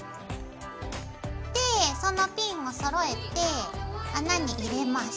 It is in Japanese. でそのピンをそろえて穴に入れます。